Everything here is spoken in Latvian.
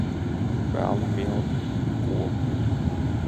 Velna milti! Ko?